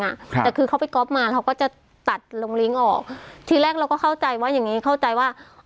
ครับแต่คือเขาไปก๊อฟมาเขาก็จะตัดลงลิ้งออกทีแรกเราก็เข้าใจว่าอย่างงี้เข้าใจว่า